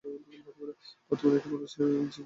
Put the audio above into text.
বর্তমানে এটি বাংলাদেশের একটি পাবলিক লিমিটেড কোম্পানি।